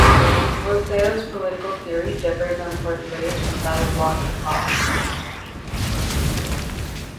Rousseau's political theory differs in important ways from that of Locke and Hobbes.